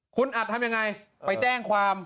คุณอัดทำยังไงไปแจ้งความ